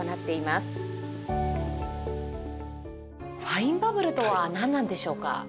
ファインバブルとはなんなんでしょうか？